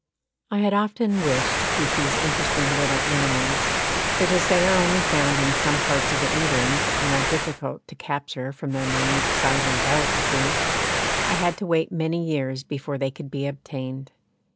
I had often wished to keep these interesting little animals, but as they are only found in some parts of England and are difficult to capture from their minute size and delicacy, I had to wait many years before they could be obtained.